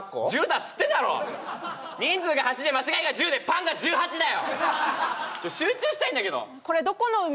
１０だっつってんだろ人数が８で間違いが１０でパンが１８だよちょっと集中したいんだけどこれどこの海？